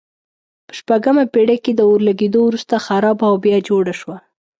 په شپږمه پېړۍ کې د اور لګېدو وروسته خرابه او بیا جوړه شوه.